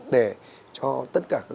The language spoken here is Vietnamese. để cho tất cả